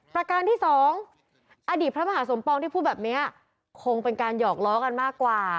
ประการที่สองอดีตพระมหาสมปองที่พูดแบบนี้คงเป็นการหยอกล้อกันมากกว่า